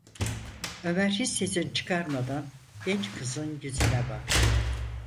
Ömer hiç sesini çıkarmadan genç kızın yüzüne baktı.